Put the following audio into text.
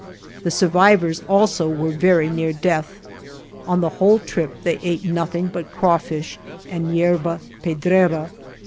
The survivors also were very near death. On the whole trip they ate nothing but crawfish and yerba pedrera.